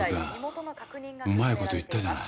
藪くんうまいこといったじゃない。